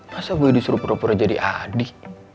masa boleh disuruh pura pura jadi adik